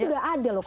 tapi sudah ada loh